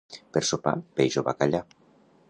Per sopar, peix o bacallà.